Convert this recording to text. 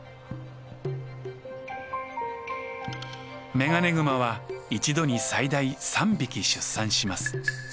メガネグマは一度に最大３匹出産します。